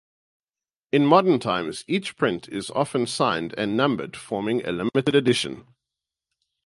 In modern times each print is often signed and numbered forming a limited edition.